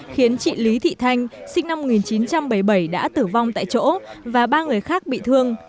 khiến chị lý thị thanh sinh năm một nghìn chín trăm bảy mươi bảy đã tử vong tại chỗ và ba người khác bị thương